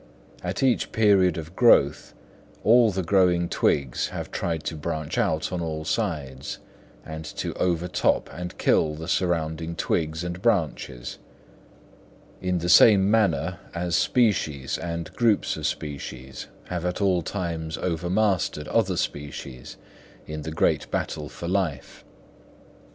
At each period of growth all the growing twigs have tried to branch out on all sides, and to overtop and kill the surrounding twigs and branches, in the same manner as species and groups of species have at all times overmastered other species in the great battle for life.